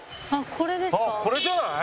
これじゃない？